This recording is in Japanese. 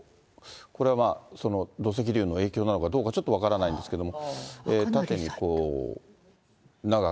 これは土石流の影響なのかどうかちょっと分からないんですけども。